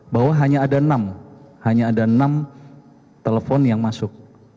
bahwa hanya ada enam hanya ada enam telepon yang masuk